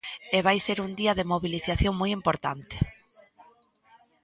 E vai ser un día de mobilización moi importante.